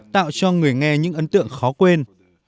tạo cho người nghe những ấn tượng khó quên